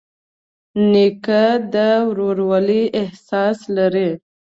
نیکه د ورورولۍ احساس لري.